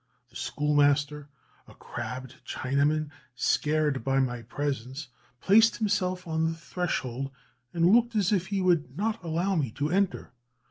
The schoolmaster, a crabbed Chinaman, scared by my presence, placed himself on the threshold, and looked as if he would not allow me to enter.